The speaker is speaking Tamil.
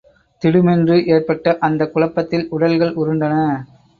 திடுமென்று ஏற்பட்ட அந்தக் குழப்பத்தில் உடல்கள் உருண்டன.